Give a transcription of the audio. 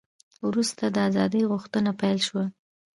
وروسته د ازادۍ غوښتنه پیل شوه.